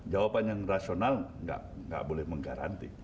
jawaban yang rasional nggak boleh menggaranti